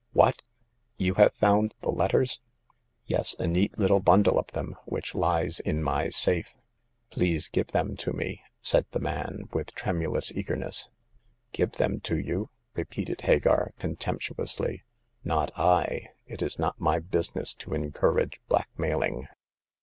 What? You have found the letters ?" The Ninth Customer. 1^37 " Yes ; a neat little bundle of them, which lies in my safe." " Please give them to me," said the man, with tremulous eagerness. " Give them to you !" repeated Hagar, con temptuously. Not I ; it is not my business to encourage blackmailing."